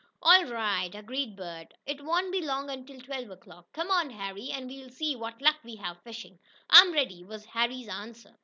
"All right," agreed Bert. "It won't be long until twelve o'clock. Come on, Harry, and we'll see what luck we have fishing." "I'm ready," was Harry's answer.